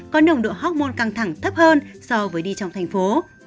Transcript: có nồng độ hormôn căng thẳng thấp hơn so với đi trong thành phố